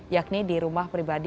yakni di rumah pribadi